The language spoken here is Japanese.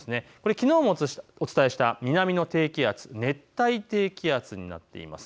これきのうもお伝えした南の低気圧、熱帯低気圧になっています。